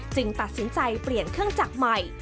ตัดสินใจเปลี่ยนเครื่องจักรใหม่